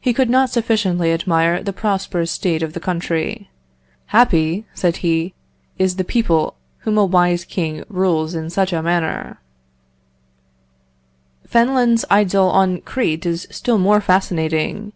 He could not sufficiently admire the prosperous state of the country. 'Happy,' said he, 'is the people whom a wise king rules in such a manner.'" Fenelon's idyl on Crete is still more fascinating.